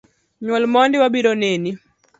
Nyuol mondi, wabiro neni